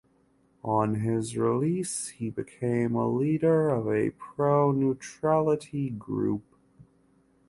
On his release, he became a leader of a pro-neutrality group.